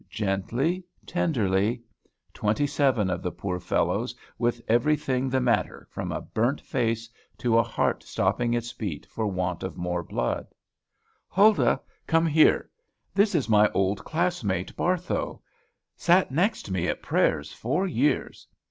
Gently, tenderly. Twenty seven of the poor fellows, with everything the matter, from a burnt face to a heart stopping its beats for want of more blood. "Huldah, come here. This is my old classmate, Barthow; sat next me at prayers four years.